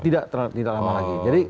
tidak tidak lama lagi